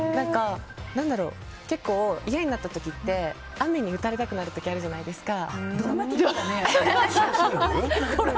結構嫌になった時って雨に打たれたくなる時あるじゃないですか。